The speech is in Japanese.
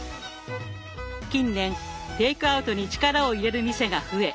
近年テイクアウトに力を入れる店が増え